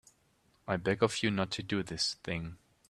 I beg of you not to do this thing.